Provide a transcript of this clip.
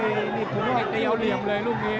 ไอ้เตี๋ยวเหลี่ยมเลยลูกนี้